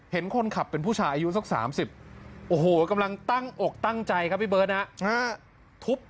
เห็นคนขับเป็นผู้ชายอายุสัก๓๐โอ้โหกำลังตั้งอกตั้งใจครับพี่เบิร์ตนะ